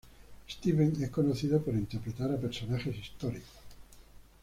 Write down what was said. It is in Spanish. Steven es conocido por interpretar a personajes históricos.